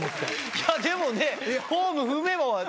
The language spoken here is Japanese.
いやでもね。